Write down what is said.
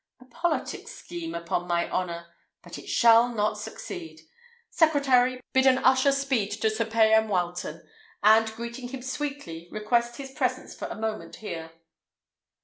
A politic scheme, upon my honour! but it shall not succeed. Secretary, bid an usher speed to Sir Payan Wileton, and, greeting him sweetly, request his presence for a moment here."